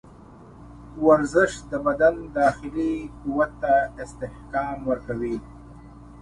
ورزش د بدن داخلي قوت ته استحکام ورکوي.